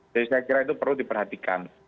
jadi saya kira itu perlu diperhatikan